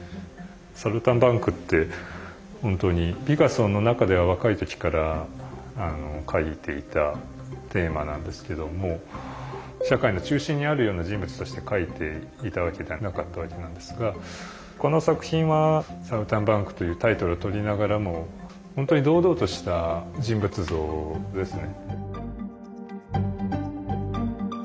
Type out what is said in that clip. サルタンバンクって本当にピカソの中では若い時から描いていたテーマなんですけども社会の中心にあるような人物として描いていたわけではなかったわけなんですがこの作品は「サルタンバンク」というタイトルをとりながらも本当に堂々とした人物像ですね。